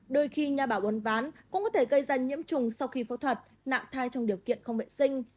đôi khi nhà bảo uấn ván cũng có thể gây ra nhiễm chủng sau khi phẫu thuật nạng thai trong điều kiện không vệ sinh